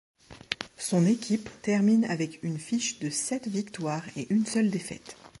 Son équipe termine avec une fiche de sept victoires et une seule défaite.